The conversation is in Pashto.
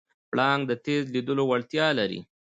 پړانګ د تېز لیدلو وړتیا لري.